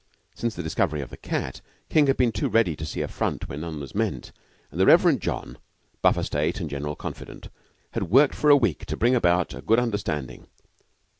Since the discovery of the cat, King had been too ready to see affront where none was meant, and the Reverend John, buffer state and general confidant, had worked for a week to bring about a good understanding.